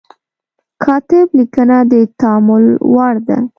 کاتب لیکنه د تأمل وړ ده.